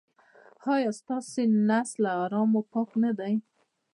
ایا ستاسو نس له حرامو پاک نه دی؟